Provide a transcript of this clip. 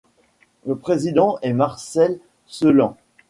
Le président est Marcel Ceulen.